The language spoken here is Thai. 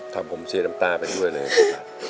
ทำผมเสียน้ำตาไปด้วยนะครับคุณปัชร์